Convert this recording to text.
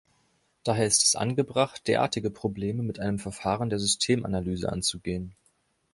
Daher ist es angebracht, derartige Probleme mit einem Verfahren der Systemanalyse anzugehen.